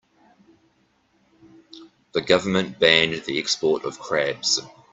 The government banned the export of crabs.